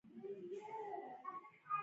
چې یوې خوا یا بلې خوا ته تېرېدل یې سخت کړي و.